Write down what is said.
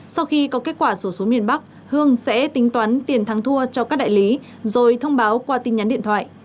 sau khi có kết quả số số miền bắc hương sẽ tính toán tiền thắng thua cho các đại lý rồi thông báo qua tin nhắn điện thoại